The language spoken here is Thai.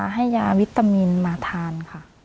ให้ยาวิตามินมาทานค่ะ